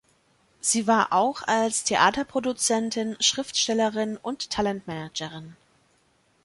Sie war auch als Theaterproduzentin, Schriftstellerin und Talentmanagerin.